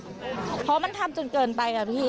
ใช่เพราะว่ามันทำจนเกินไปครับพี่